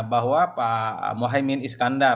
bahwa pak mohaimin iskandar